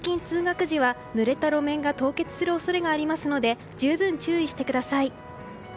通学時はぬれた路面が凍結する恐れもありますので十分注意してください。